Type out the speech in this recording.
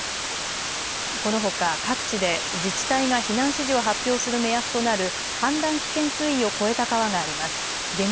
このほか各地で自治体が避難指示を発表する目安となる氾濫危険水位を超えた川があります。